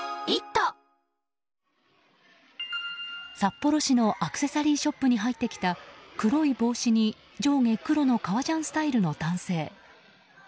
札幌市のアクセサリーショップに入ってきた、黒い帽子に上下黒の革ジャンスタイルの男性。